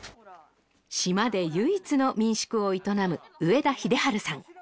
島で唯一の民宿を営む上田英治さん